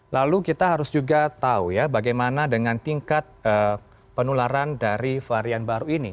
lalu kita harus juga tahu ya bagaimana dengan tingkat penularan dari varian baru ini